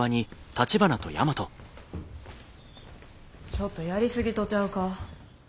ちょっとやりすぎとちゃうか？